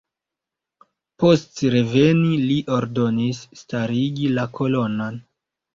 Post reveni li ordonis starigi la kolonon.